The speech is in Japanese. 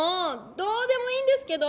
どうでもいいんですけど！